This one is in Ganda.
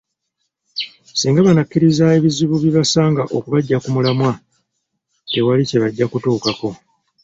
Singa bannakkiriza ebizibu bye basanga okubaggya ku mulamwa, tewali kye bajja kutuukako.